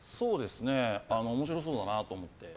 面白そうだなと思って。